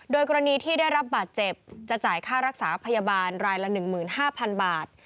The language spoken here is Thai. โดยกรณีที่ได้รับบาดเจ็บจะจ่ายค่ารักษาพยาบาลรายละ๑๕๐๐๐บาท